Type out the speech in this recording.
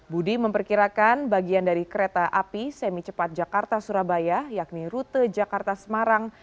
budi memperkirakan bagian dari kereta api semi cepat jakarta surabaya yakni rute jakarta semarang